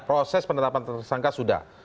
proses penetapan tersangka sudah